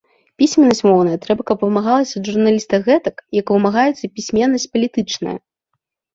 Пісьменнасць моўная трэба каб вымагалася ад журналіста гэтак, як вымагаецца пісьменнасць палітычная.